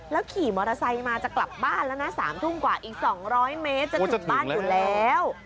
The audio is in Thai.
ขี่มอเตอร์ไซค์มาจะกลับบ้านแล้วนะ๓ทุ่มกว่าอีก๒๐๐เมตรจะถึงบ้านอยู่แล้ว